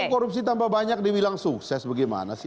korupsi tambah banyak dibilang sukses bagaimana sih